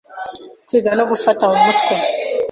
kwiga no gufata mu mutwe